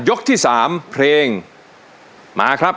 ที่๓เพลงมาครับ